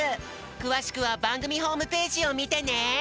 くわしくはばんぐみホームページをみてね。